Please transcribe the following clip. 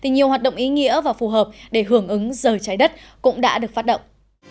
nhiều hoạt động ý nghĩa và phù hợp để hưởng ứng giờ trái đất cũng đã được phát động